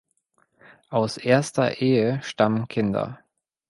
Aus erster Ehe stammen Kinder.